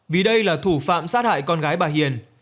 vì đây là thủ phạm sát hại con gái bà hiền